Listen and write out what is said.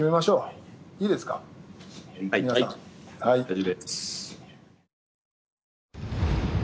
はい。